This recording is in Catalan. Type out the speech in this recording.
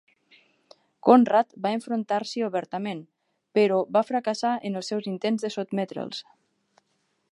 Conrad va enfrontar-s'hi obertament, però va fracassar en els seus intents de sotmetre'ls.